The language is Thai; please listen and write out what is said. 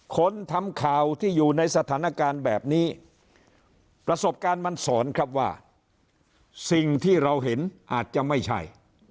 คนทำข่าวที่อยู่ในสถานการณ์แบบนี้ประสบการณ์มันสอนครับว่าสิ่งที่เราเห็นอาจจะไม่ใช่